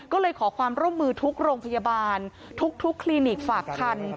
ก็เลยขอความร่วมมือทุกโรงพยาบาลทุกคลินิกฝากคัน